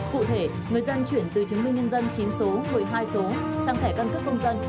cụ thể người dân chuyển từ chứng minh nhân dân chín số một mươi hai số sang thẻ căn cước công dân